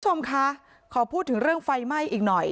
คุณผู้ชมคะขอพูดถึงเรื่องไฟไหม้อีกหน่อย